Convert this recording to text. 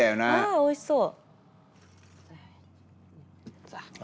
あおいしそう。